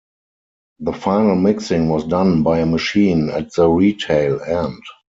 The final mixing was done by a machine at the retail end.